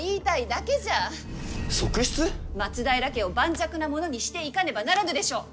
松平家を盤石なものにしていかねばならぬでしょう！